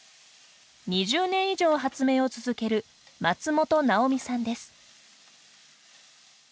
２０年以上発明を続ける松本奈緒美さんです。